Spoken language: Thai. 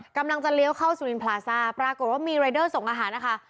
กำลังจะเลี้ยวเข้าสุรินพลาซ่าปรากฏว่ามีรายเดอร์ส่งอาหารนะคะ